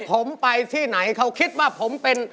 ผมไปที่ไหนเขาคิดว่าผมเป็น